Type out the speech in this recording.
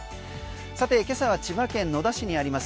さて今朝は千葉県野田市にあります